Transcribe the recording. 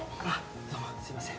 どうもすみません。